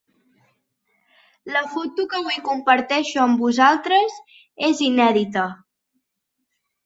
La foto que avui comparteixo amb vosaltres és inèdita.